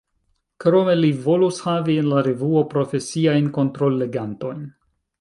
Krome li volus havi en la revuo profesiajn kontrollegantojn.